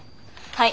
はい！